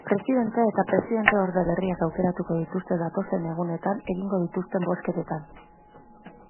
Presidente eta presidenteorde berriak aukeratuko dituzte datozen egunetan egingo dituzten bozketetan.